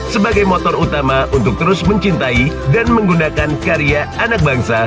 sebagai motor utama untuk terus mencintai dan menggunakan karya anak bangsa